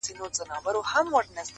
پير’ مُريد او ملا هم درپسې ژاړي’